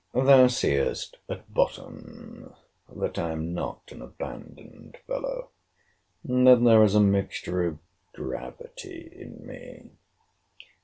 Thou seest at bottom that I am not an abandoned fellow; and that there is a mixture of gravity in me.